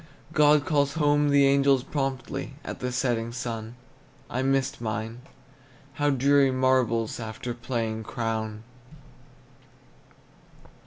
God calls home the angels promptly At the setting sun; I missed mine. How dreary marbles, After playing Crown!